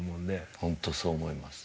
本当にそう思います。